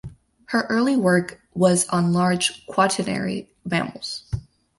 Her early work was on large Quaternary mammals.